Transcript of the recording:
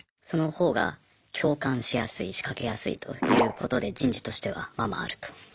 そのほうが共感しやすい仕掛けやすいということで人事としてはままあると。